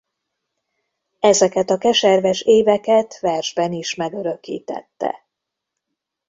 Ezeket a keserves éveket versben is megörökítette.